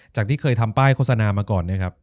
ที่เคยทำป้ายโฆษณามาก่อนเนี่ยครับ